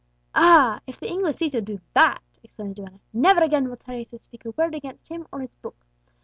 "Ah! if the Inglesito do that," exclaimed the duenna, "never again will Teresa speak a word against him or his book!